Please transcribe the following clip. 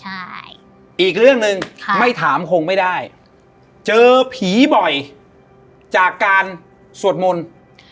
ครับคุณผู้เห็นพ่อคุณแม่ใช่อีกเรื่องนึงไม่ถามคงไม่ได้เจอผีบ่อยจากการสวดมนตร์